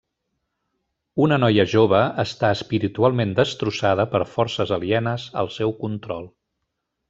Una noia jove està espiritualment destrossada per forces alienes al seu control.